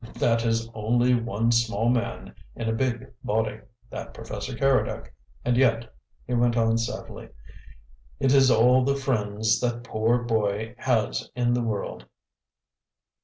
"That is only one small man in a big body, that Professor Keredec. And yet," he went on sadly, "it is all the friends that poor boy has in this world.